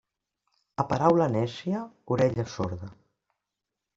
A paraula nècia, orella sorda.